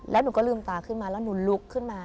แล้วหนูก็ลืมตาขึ้นมาแล้วหนูลุกขึ้นมา